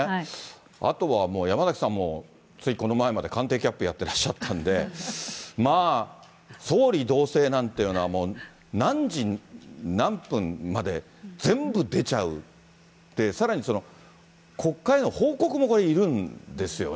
あとは山崎さんも、ついこの前まで官邸キャップやってらっしゃったので、まあ、総理動静なんていうのは、もう、何時何分まで、全部出ちゃう、さらに国会への報告もこれ、いるんですよね。